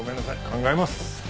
考えます。